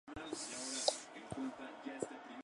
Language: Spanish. El problema es de todos nosotros que no hacemos nada".